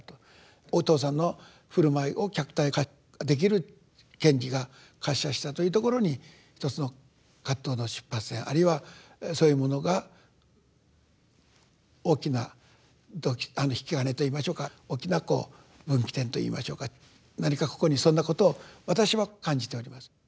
お父さんの振る舞いを客体化できる賢治が活写したというところにひとつの葛藤の出発点あるいはそういうものが大きな動機引き金といいましょうか大きなこう分岐点といいましょうか何かここにそんなことを私は感じております。